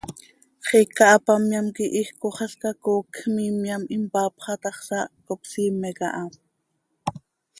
Xiica hapamyam quih iij cooxalca coocj miimyam impaapxa ta, zaah cop siime aha.